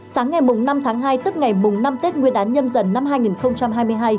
sáng ngày năm tháng hai tức ngày mùng năm tết nguyên đán nhâm dần năm hai nghìn hai mươi hai